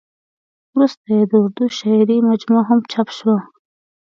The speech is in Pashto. ورسته یې د اردو شاعرۍ مجموعه هم چاپ شوه.